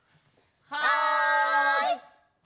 はい！